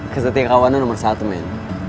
kesetia kawan lo nomor satu man